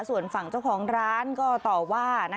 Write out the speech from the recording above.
ส่วนฝั่งเจ้าของร้านก็ต่อว่า